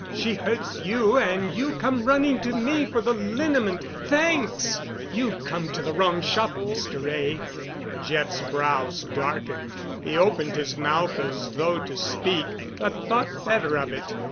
She hurts you, and you come running to me for the liniment. Thanks! You've come to the wrong shop, Mr. Wray." Jeff's brows darkened. He opened his mouth as though to speak, but thought better of it.